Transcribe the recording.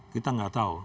kita nggak tahu